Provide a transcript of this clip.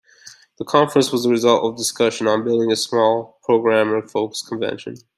The conference was the result of discussion on building a small, programmer-focused convention.